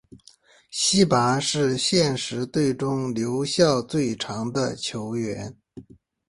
希拔是现时队中留效最长的球员。